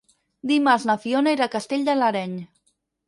Dimarts na Fiona irà a Castell de l'Areny.